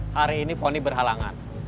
hari ini poni berhalangan